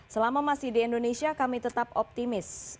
selama masih di indonesia kami tetap optimis